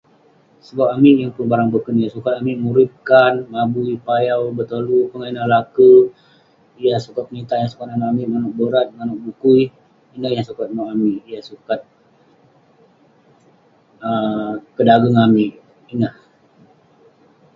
Sebab amik yeng barang boken yah sukat amik murip, kaan, mabui, payau, betolu. Pongah ineh, laker yah sukat penitah, yah sukat nanouk amik manouk borat, manouk bukui. Ineh yah sukat nouk amik, yah sukat kedageng amik. Ineh.